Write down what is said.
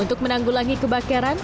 untuk menanggulangi kebakaran